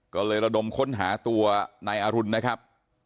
ก็เลยระดมค้นหาตัวนายอรุณนะครับ